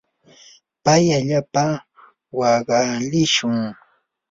pay allaapa waqalishun.